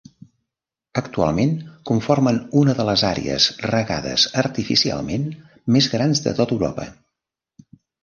Actualment conformen una de les àrees regades artificialment més grans de tota Europa.